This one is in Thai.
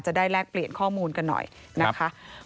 แลกเปลี่ยนข้อมูลกันหน่อยนะคะ